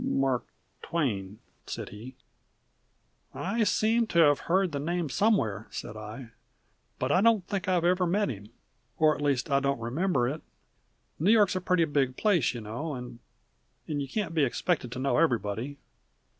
"Mark Twain," said he. "I seem to have heard the name somewhere," said I; "but I don't think I've ever met him, or at least I don't remember it. New York's a pretty big place, you know, and you can't be expected to know everybody.